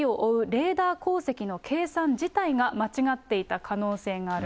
レーダー航跡の計算自体が間違っていた可能性がある。